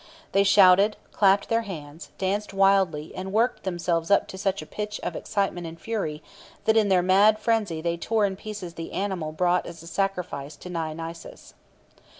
They shouted, clapped their hands, danced wildly, and worked themselves up to such a pitch of excitement and fury that in their mad frenzy they tore in pieces the animal brought as a sacrifice to Dionysus.